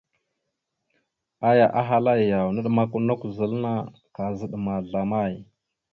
Aya ahala: « Yaw, naɗmakw a nakw zal anna, kaazaɗ ma zlama? ».